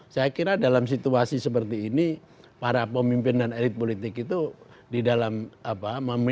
saya kira dalam situasi seperti ini para pemimpin dan elit politik itu di dalam apa